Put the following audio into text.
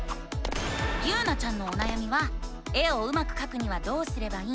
ゆうなちゃんのおなやみは「絵をうまくかくにはどうすればいいの？」